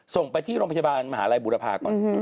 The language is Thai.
ส่งไปที่โรงพยาบาลมหาลัยบุรพาก่อน